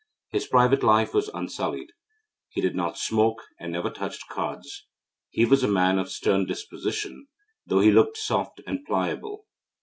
His private life was unsullied. He did not smoke, and never touched cards. He was a man of stern disposition, though he looked soft and pliable.